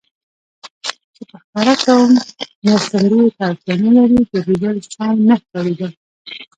چې په ښکاره کوم مرستندویه ته اړتیا نه لري، ګرځېدل سم نه ښکارېدل.